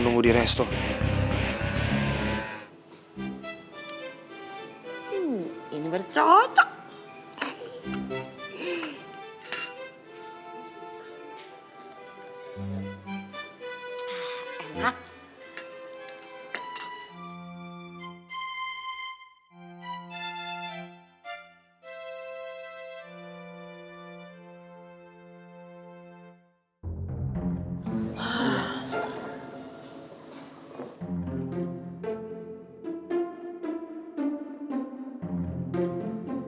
tunggu dia pasti ingin tahu